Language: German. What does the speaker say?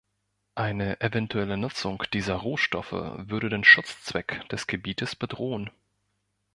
Eine eventuelle Nutzung dieser Rohstoffe würde den Schutzzweck des Gebietes bedrohen.